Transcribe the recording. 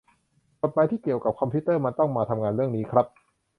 กฎหมายที่เกี่ยวกับคอมพิวเตอร์มันต้องมาทำงานเรื่องนี้ครับ